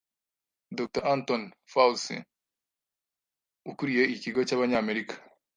Dr Anthony Fauci ukuriye ikigo cy'Amerika